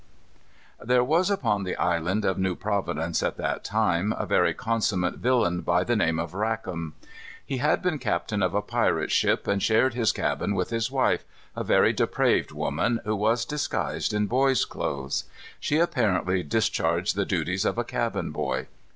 There was upon the island of New Providence, at that time, a very consummate villain by the name of Rackam. He had been captain of a pirate ship, and shared his cabin with his wife, a very depraved woman, who was disguised in boy's clothes. She apparently discharged the duties of a cabin boy.